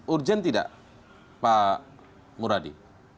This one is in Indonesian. urgen tidak pak muradi